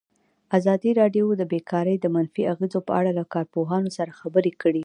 ازادي راډیو د بیکاري د منفي اغېزو په اړه له کارپوهانو سره خبرې کړي.